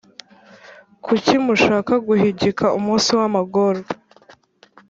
Kucyi Mushaka guhigika umunsi w’amagorwa,